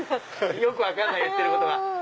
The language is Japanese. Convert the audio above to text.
よく分かんない言ってることが。